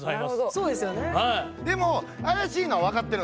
そうですよね。